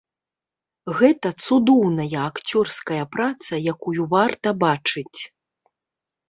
Гэта цудоўная акцёрская праца, якую варта бачыць.